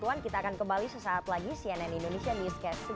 ini kapan uangnya mau turun